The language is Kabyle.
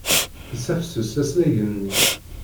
Tessafses aslagen-nni.